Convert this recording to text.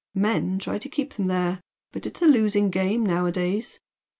Men try to keep them there but it's a losing game nowadays.